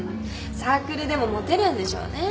サークルでもモテるんでしょうね。